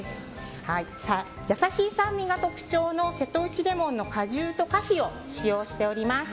優しい酸味が特徴の瀬戸内レモンの果汁と果皮を使用しております。